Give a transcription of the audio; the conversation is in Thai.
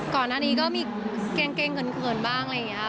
ก่อนหน้านี้ก็มีเกงเขินบ้างอะไรอย่างนี้ค่ะ